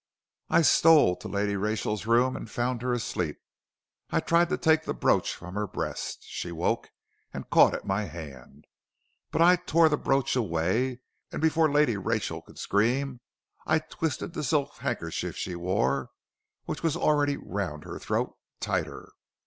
I stole to Lady Rachel's room and found her asleep. I tried to take the brooch from her breast. She woke and caught at my hand. But I tore away the brooch and before Lady Rachel could scream, I twisted the silk handkerchief she wore, which was already round her throat, tighter.